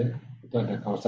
itu ada kawasan hutan juga